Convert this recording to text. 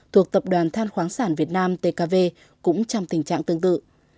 thuộc tập đoàn than khoáng sản việt nam tkv cũng trong tình trạng tương tự